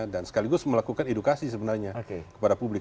dan sekaligus melakukan edukasi sebenarnya kepada publik